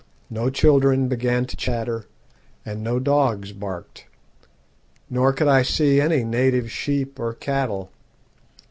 No children began to chatter, and no dogs barked. Nor could I see any native sheep or cattle.